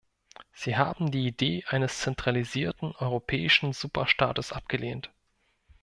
Sie haben die Idee eines zentralisierten europäischen Superstaates abgelehnt.